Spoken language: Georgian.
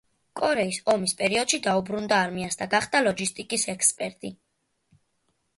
კორეის ომის პერიოდში დაუბრუნდა არმიას და გახდა ლოჯისტიკის ექსპერტი.